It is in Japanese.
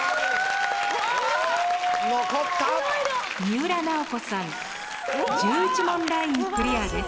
三浦奈保子さん１１問ラインクリアです。